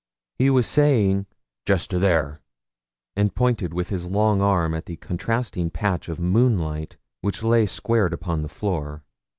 He was saying 'just to there,' and pointing with his long arm at that contracting patch of moonlight which lay squared upon the floor.